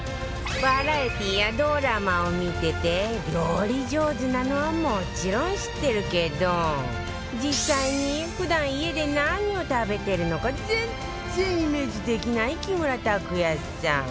バラエティーやドラマを見てて料理上手なのはもちろん知ってるけど実際に普段家で何を食べてるのか全然イメージできない木村拓哉さん